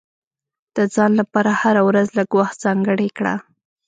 د ځان لپاره هره ورځ لږ وخت ځانګړی کړه.